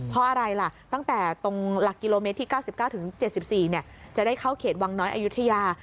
เพราะอะไรล่ะตั้งแต่ตรงหลักกิโลเมตรที่๙๙๗๔จะได้เข้าเขตวังน้อยอายุทยา